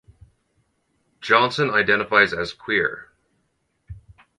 Johnson identifies as queer.